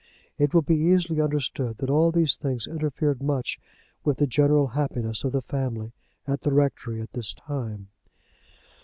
It will be easily understood that all these things interfered much with the general happiness of the family at the rectory at this time.